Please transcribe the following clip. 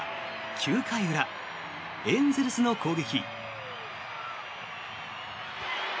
９回裏エンゼルスの攻撃。